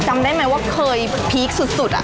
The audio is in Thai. จำได้ไหมว่าเคยพีคสุด